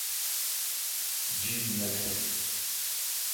جب نہ تھ